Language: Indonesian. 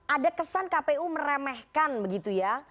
ada kesan kpu meremehkan begitu ya